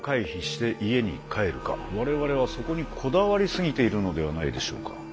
我々はそこにこだわりすぎているのではないでしょうか。